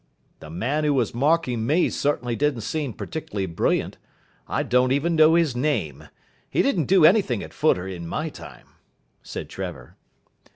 "The man who was marking me certainly didn't seem particularly brilliant. I don't even know his name. He didn't do anything at footer in my time," said Trevor.